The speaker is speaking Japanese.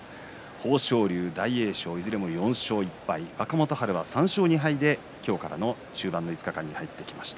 豊昇龍、大栄翔いずれも４勝１敗若元春は３勝２敗で、今日からの中盤の５日間に入ってきました。